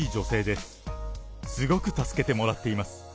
すごく助けてもらっています。